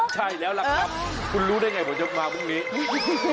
ใช่แล้วล่ะครับคุณรู้ได้ไงผมจะมาพรุ่งนี้